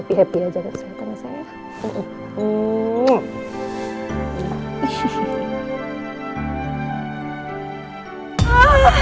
tapi happy aja gak sih sama saya